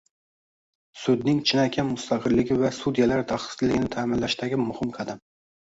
Sudning chinakam mustaqilligi va sudyalar daxlsizligini ta’minlashdagi muhim qadam